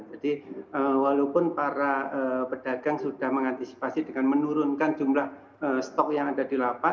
jadi walaupun para pedagang sudah mengantisipasi dengan menurunkan jumlah stok yang ada di lapak